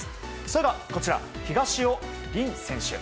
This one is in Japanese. それが、こちら東尾凜選手。